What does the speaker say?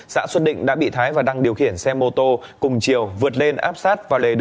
xã xuân định đã bị thái và đăng điều khiển xe mô tô cùng chiều vượt lên áp sát